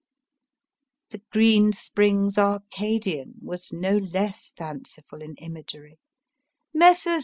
The Green Springs Arcadian was no less fanciful in imagery: Messrs.